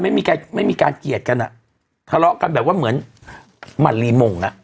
ไม่มีใครไม่มีการเกลียดกันอ่ะทะเลาะกันแบบว่าเหมือนมันรีมงอ่ะ